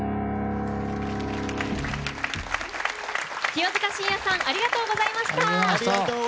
清塚信也さんありがとうございました。